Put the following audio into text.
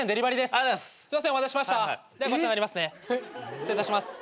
失礼いたします。